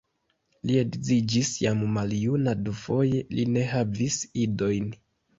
Li edziĝis jam maljuna dufoje, li ne havis idojn.